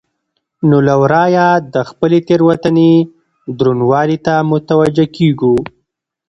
نو له واره د خپلې تېروتنې درونوالي ته متوجه کېږو.